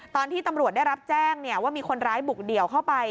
ตอนที่ตำรวจได้รับแจ้งว่ามีคนร้ายบุกเดี่ยวเข้าไป